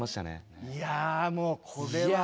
いやもうこれは。